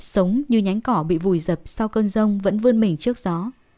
sống như nhánh cỏ bị vùi dập sau cơn rông vẫn vươn mình trước gió